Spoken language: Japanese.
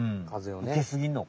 受けすぎんのか。